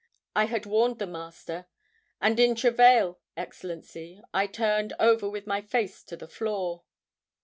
I had warned the Master. And in travail, Excellency, I turned over with my face to the floor.